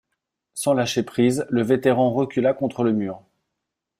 Sans lâcher prise, le vétéran recula contre le mur.